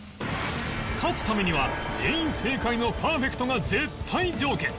勝つためには全員正解のパーフェクトが絶対条件